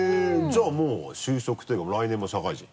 じゃあもう就職というか来年もう社会人？